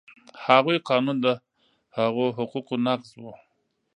هغوی قانون د هغو حقوقو نقض و.